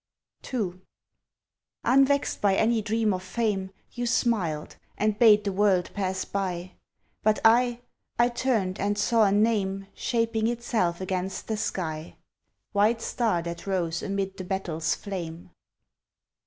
II Unvext by any dream of fame, You smiled, and bade the world pass by: But I I turned, and saw a name Shaping itself against the sky White star that rose amid the battle's flame!